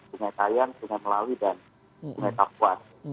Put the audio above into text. sungai kayan sungai melawi dan sungai kapuat